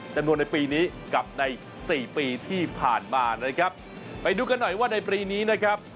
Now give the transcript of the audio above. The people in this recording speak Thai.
ในปีนี้กับในสี่ปีที่ผ่านมานะครับไปดูกันหน่อยว่าในปีนี้นะครับ